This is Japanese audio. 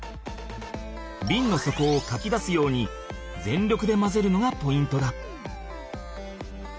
ビンの底をかき出すように全力で混ぜるのがポイントだ。